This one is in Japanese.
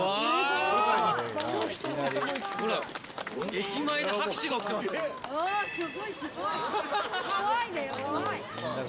駅前で拍手が起きてます。